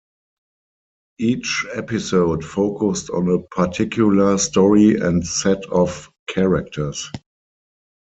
Each episode focused on a particular story and set of characters.